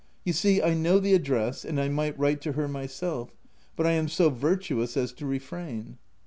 — You see I know the address, and I might write to her myself, but I am so virtuous as to refrain."